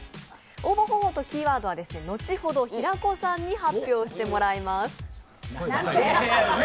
応募方法とキーワードは後ほど平子さんに発表してもらいます。